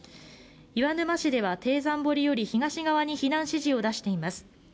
岩沼市では貞山堀東側に避難指示を出しています。